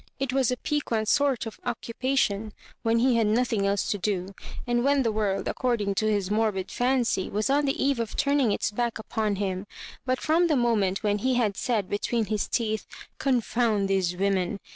It was a piquant sort of occupation when he had nothing else to do, and when the world, according to his morbid fancy, was on the eve of turning its back upon him — but from the moment when he had said between his teeth *' confound these women